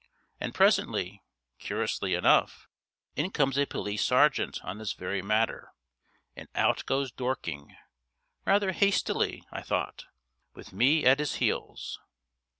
And presently, curiously enough, in comes a police sergeant on this very matter, and out goes Dorking (rather hastily, I thought), with me at his heels.